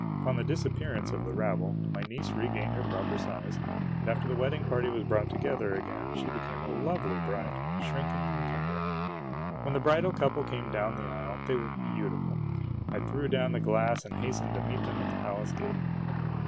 Upon the disappearance of the rabble, my niece regained her proper size ; and after the wedding party was brought together again, she became a lovely bride, shrinking and tender. When the bridal couple came down the aisle, they were beau tiful. I threw down the glass and hastened to meet them at the palace gate.